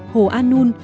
hồ an nul